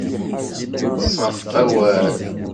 Iṭṭes ɣef wawal.